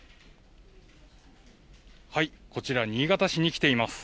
こちら、新潟市に来ています。